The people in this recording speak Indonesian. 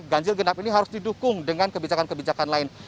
ganjil genap ini harus didukung dengan kebijakan kebijakan lain